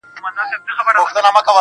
زه مي د ژوند كـتـاب تــه اور اچــــــوم.